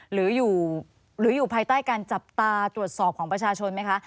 หรืออยู่ภายใต้การจับตาตรวจสอบของประชาชนไหมคะ